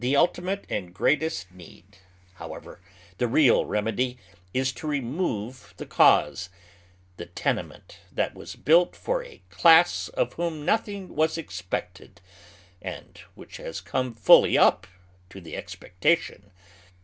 ultimate and greatest need, however, tlie real remedy, is to remove the cause — the tenemeut that was built for " a class of whom nothing was expected,^' and which has come fully up to the expectation.